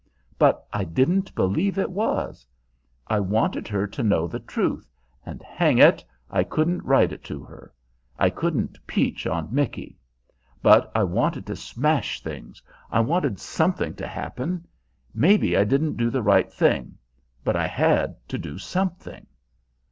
But I didn't believe it was. I wanted her to know the truth, and, hang it! I couldn't write it to her. I couldn't peach on Micky; but I wanted to smash things. I wanted something to happen. Maybe I didn't do the right thing, but I had to do something."